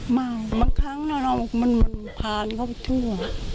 หน้าเกียรติเมาเมาบางครั้งมันผ่านเข้าไปทั่ว